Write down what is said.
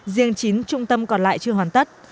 riêng chín trung tâm còn lại chưa hoàn tất